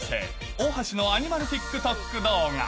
大橋のアニマルＴｉｋＴｏｋ動画。